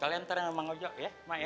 kalian ntar sama ngajok ya mak ya